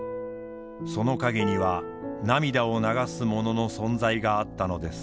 その陰には涙を流す者の存在があったのです。